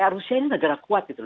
rusia ini negara kuat gitu loh